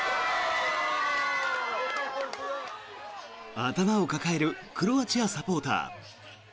頭を抱えるクロアチアサポーター。